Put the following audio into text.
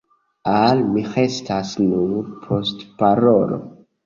Al mi restas nur postparolo.